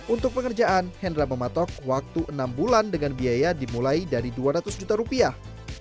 untuk pengerjaan hendra mematok waktu enam bulan dengan biaya dimulai dari dua ratus juta rupiah